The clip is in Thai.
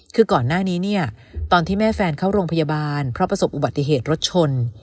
คือก่อนหน้านี้เนี่ยตอนที่แม่แฟนเข้าโรงพยาบาลเพราะประสบอุบัติเหตุรถชน